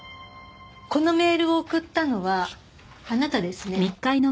このメールを送ったのはあなたですね。